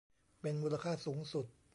เป็นมูลค่าสูงสุด